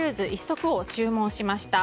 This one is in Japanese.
１足を注文しました。